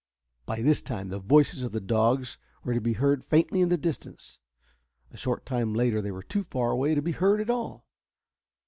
By this time the voices of the dogs were to be heard faintly in the distance. A short time later they were too far away to be heard at all.